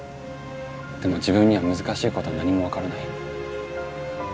でも自分には難しいことは何も分からない。